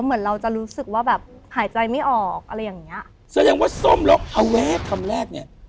เหมือนเราจะรู้สึกว่าแบบหายใจไม่ออกอะไรอย่างเงี้ยแสดงว่าส้มล็อกเอาไว้คำแรกเนี้ย